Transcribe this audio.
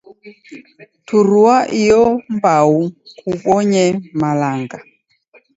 Turua iyo mbao kubonye malanga.